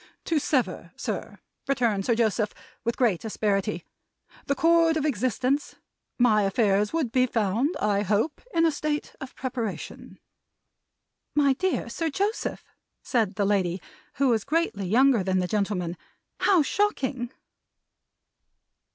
"To sever, sir," returned Sir Joseph, with great asperity, "the cord of existence my affairs would be found, I hope, in a state of preparation." "My dear Sir Joseph!" said the lady, who was greatly younger than the gentleman. "How shocking!"